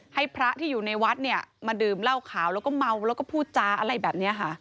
ให้พระที่อยู่ในวัดเนี่ยมาดื่มเหล้าขาวแล้วก็เมาแล้วก็พูดจาอะไรแบบนี้ค่ะ